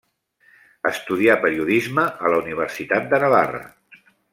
Estudià periodisme a la Universitat de Navarra.